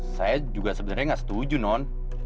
saya juga sebenarnya nggak setuju non